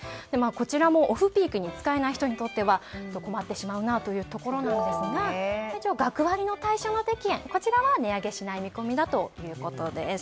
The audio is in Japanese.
こちらもオフピークに使えない人にとっては困ってしまうなということですが学割の対象定期券は値上がりしないということです。